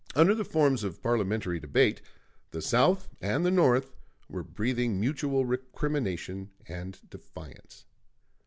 Under the forms of parliamentary debate, the South and the North were breathing mutual recrimination and defiance.